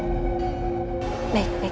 mau berbicara halusin malam kulit